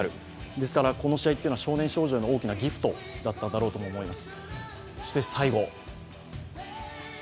ですから、この試合は少年少女への大きなギフトだったと思います。